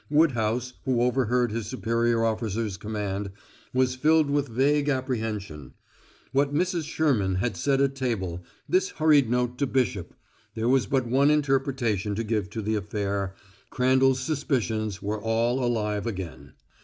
Woodhouse, who overheard his superior officer's command, was filled with vague apprehension. What Mrs. Sherman had said at table this hurried note to Bishop; there was but one interpretation to give to the affair Crandall's suspicions were all alive again.